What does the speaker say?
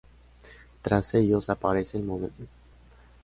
Tras ellos aparece el montero mayor Juan Mateos.